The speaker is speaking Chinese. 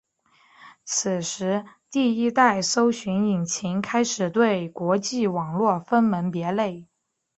此时第一代搜寻引擎开始对网际网路分门别类。